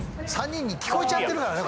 ３人に聞こえちゃってるからね